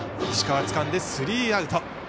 石川つかんでスリーアウト。